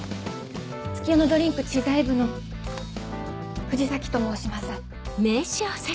月夜野ドリンク知財部の藤崎と申します。